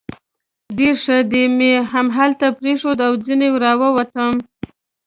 ډېر ښه، دی مې همدلته پرېښود او ځنې را ووتم.